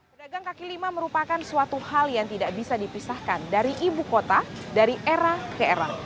pedagang kaki lima merupakan suatu hal yang tidak bisa dipisahkan dari ibu kota dari era ke era